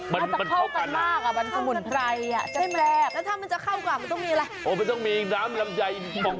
มันจะเข้ากันน่ะมันจะเข้ากันมากมันสมุนไทยอ่ะแจ๊บ